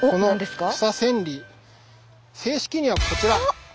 正式にはこちら。